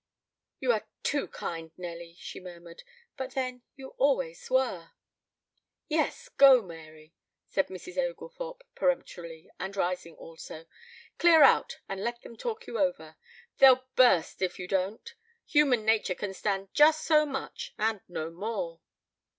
"You are too kind, Nelly," she murmured, "but then you always were." "Yes, go, Mary," said Mrs. Oglethorpe peremptorily, and rising also. "Clear out and let them talk you over. They'll burst if you don't. Human nature can stand just so much and no more."